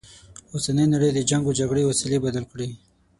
اوسنۍ نړی د جنګ و جګړې وسیلې بدل کړي.